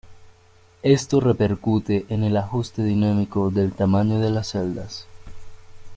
Esto repercute en el ajuste dinámico del tamaño de las celdas.